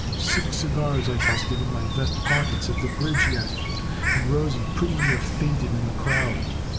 Six cigars I busted in my vest pockets at the bridge yet and Rosie pretty near fainted in the crowd.